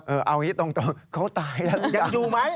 เอาหิตตรงเขาตายแล้วอยากดูมั้ย